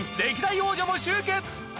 歴代王者も集結！